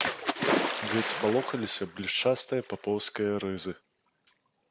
Дзеці палохаліся блішчастае папоўскае рызы.